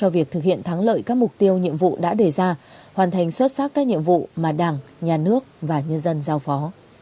việc thực hiện thắng lợi các mục tiêu nhiệm vụ đã đề ra hoàn thành xuất sắc các nhiệm vụ mà đảng nhà nước và nhân dân giao phó